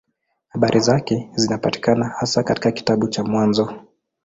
Habari zake zinapatikana hasa katika kitabu cha Mwanzo.